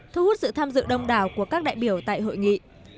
thu hút sự tham dự đông đảo của các đại biểu tại hội nghị